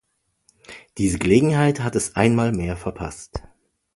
Diese Gelegenheit hat es einmal mehr verpasst.